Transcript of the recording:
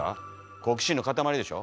好奇心の塊でしょ？